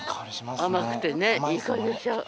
甘くてね、いい香りでしょ。